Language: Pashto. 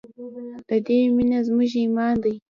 د دې مینه زموږ ایمان دی؟